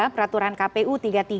peraturan kpu tiga puluh tiga